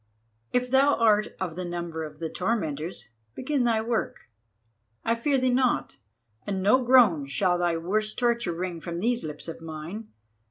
"If thou art of the number of the tormentors, begin thy work. I fear thee not, and no groan shall thy worst torture wring from these lips of mine.